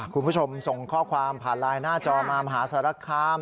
คุณผู้ชมส่งข้อความผ่านไลน์หน้าจอมามหาสารคาม